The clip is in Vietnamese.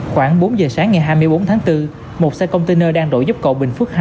khoảng bốn giờ sáng ngày hai mươi bốn tháng bốn một xe container đang đổ dốc cầu bình phước hai